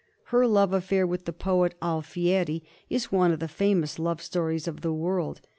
Her love affair with the poet Alfieri is one of the famous love stories of the world.